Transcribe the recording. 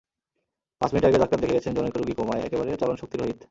পাঁচ মিনিট আগে ডাক্তার দেখে গেছেন জনৈক রোগী কোমায়, একেবারেই চলনশক্তিরহিত।